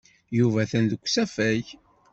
Yuba atan deg usafag.